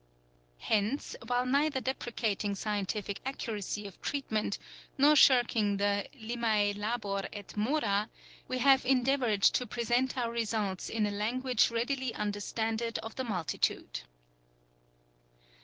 Hence, while neither deprecating scientific accuracy of treat ~ ment nor shirking the lime labor et mora, we have endeavoured to present our results in a language readily understanded of the multitude.